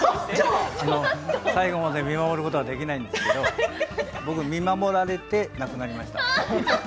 最後まで見守ることはできないんですけれど僕は見守られて亡くなりました。